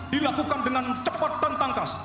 dilakukan dengan cepat dan tangkas